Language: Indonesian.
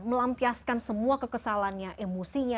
melampiaskan semua kekesalannya emosinya